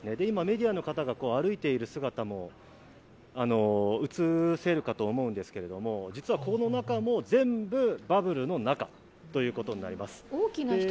今、メディアの方が歩いている姿も映せると思いますがこの中も全部バブルの中ということになります。